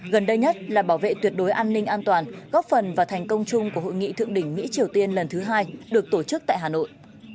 gần đây nhất là bảo vệ tuyệt đối an ninh an toàn góp phần và thành công chung của hội nghị thượng đỉnh mỹ triều tiên lần thứ hai được tổ chức tại hà nội